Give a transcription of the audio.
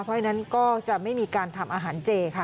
เพราะฉะนั้นก็จะไม่มีการทำอาหารเจค่ะ